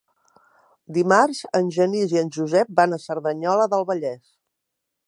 Dimarts en Genís i en Josep van a Cerdanyola del Vallès.